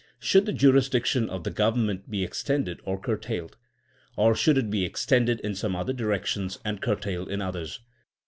Should the jurisdiction of the government be extended or curtailed? Or should it be ex tended in some directions and curtailed in oth ers?